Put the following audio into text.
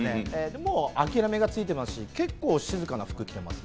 もう諦めがついてますし、静かな服を着ています。